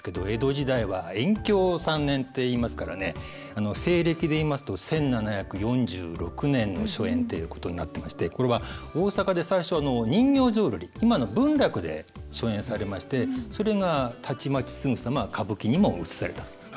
江戸時代は延享３年っていいますからね西暦で言いますと１７４６年の初演ということになってましてこれは大坂で最初人形浄瑠璃今の文楽で初演されましてそれがたちまちすぐさま歌舞伎にもうつされたと。